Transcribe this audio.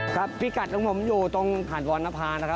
ครับพี่กัดของผมอยู่ตรงหาดวรรณภาค